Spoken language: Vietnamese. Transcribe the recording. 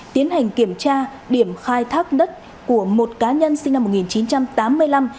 tiến hành kiểm tra điểm khai thác đất của một cá nhân sinh năm một nghìn chín trăm tám mươi năm